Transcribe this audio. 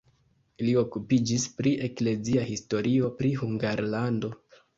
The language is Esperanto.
Li okupiĝis pri eklezia historio pri Hungarlando.